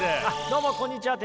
どうもこんにちは。